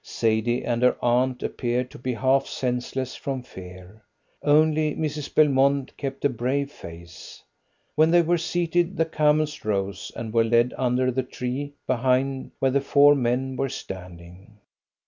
Sadie and her aunt appeared to be half senseless from fear. Only Mrs. Belmont kept a brave face. When they were seated the camels rose, and were led under the tree behind where the four men were standing.